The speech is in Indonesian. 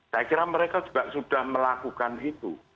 saya kira mereka juga sudah melakukan itu